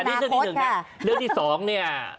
อันนี้เรื่องที่หนึ่งนะเรื่องที่สองนี่